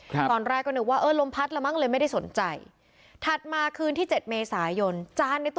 ก่อนแรกก็นึกว่าเออลมพัดละมั้งเลยไม่ได้สนใจ